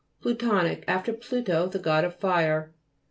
PLUTONIC After Pluto, the god of fire.